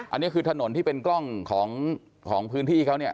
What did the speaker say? อันนี้คือถนนที่เป็นกล้องของพื้นที่เขาเนี่ย